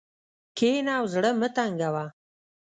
کښېنه او زړه مه تنګوه.